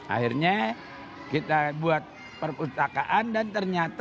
akhirnya kita buat perpustakaan dan ternyata